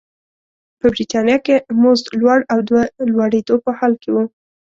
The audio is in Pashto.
په برېټانیا کې مزد لوړ او د لوړېدو په حال کې و.